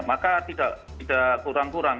maka tidak kurang kurang